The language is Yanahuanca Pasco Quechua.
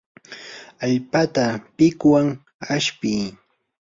allpata pikuwan ashpii.